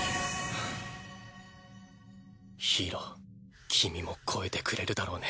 ヒイロ君も超えてくれるだろうね。